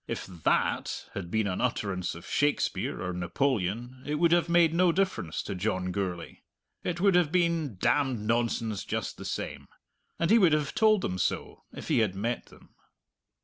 If "that" had been an utterance of Shakespeare or Napoleon it would have made no difference to John Gourlay. It would have been damned nonsense just the same. And he would have told them so, if he had met them.